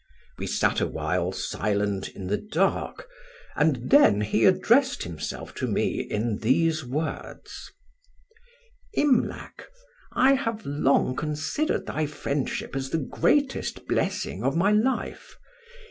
We sat awhile silent in the dark, and then he addressed himself to me in these words: 'Imlac, I have long considered thy friendship as the greatest blessing of my life.